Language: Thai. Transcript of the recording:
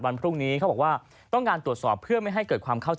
วันพรุ่งนี้เขาบอกว่า